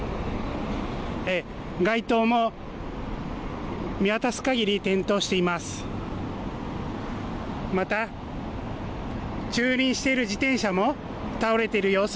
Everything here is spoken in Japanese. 街灯も見渡すかぎり点灯しています。